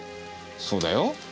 そうだよ。